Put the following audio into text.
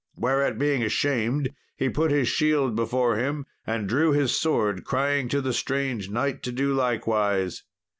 Whereat, being ashamed, he put his shield before him, and drew his sword, crying to the strange knight to do likewise.